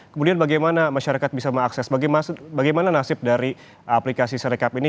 kemudian bagaimana masyarakat bisa mengakses bagaimana nasib dari aplikasi serekap ini